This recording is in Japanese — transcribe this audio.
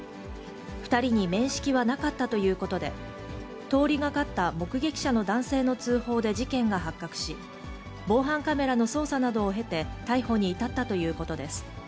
２人に面識はなかったということで、通りがかった目撃者の男性の通報で事件が発覚し、防犯カメラの捜査などを経て、逮捕に至ったということです。